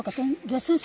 kata kata juga susah